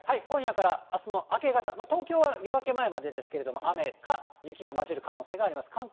今夜からあすの明け方、東京は夜明け前までですけど、雨か雪が交じる可能性があります。